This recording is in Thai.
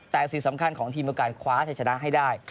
แต่สิ่งสำคัญของทีมคือการคว้าชัยชนะให้ได้